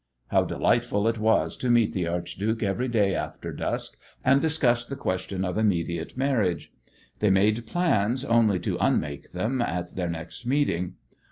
How delightful it was to meet the archduke every day after dusk and discuss the question of immediate marriage! They made plans, only to unmake them at their next meeting.